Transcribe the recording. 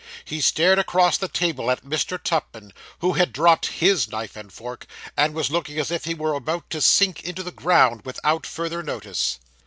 He stared across the table at Mr. Tupman, who had dropped his knife and fork, and was looking as if he were about to sink into the ground without further notice.